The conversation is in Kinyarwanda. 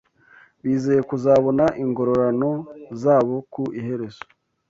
bizeye kuzabona ingororano zabo ku iherezo